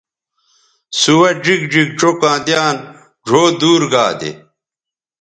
سوہ ڙیگ ڙیگ چوکاں دیان ڙھؤ دور گا دے